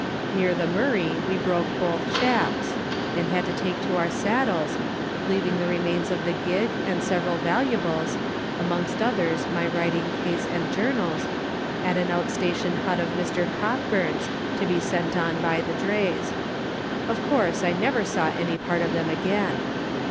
Near the Murray we broke both shafts, and had to take to our saddles, leaving the remains of the gig and several valuables (amongst others my writing case and journals) at an out station hut of Mr. Cockburn's, to be sent on by the drays. Of course, I never saw any part of them again.